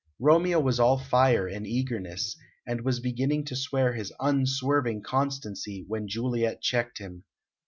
Romeo was all fire and eagerness, and was beginning to swear his unswerving constancy when Juliet checked him.